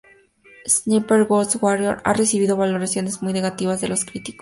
Sniper: Ghost Warrior ha recibido valoraciones muy negativas de los críticos.